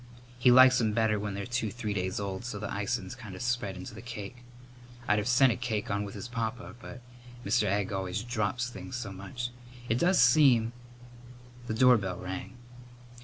He likes 'em better when they're two three days old so the icin's kind of spread into the cake. I'd of sent a cake on with his papa, but Mr. Egg always drops things so much. It does seem " The doorbell rang.